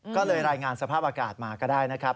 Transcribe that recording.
ก็เลยรายงานสภาพอากาศมาก็ได้นะครับ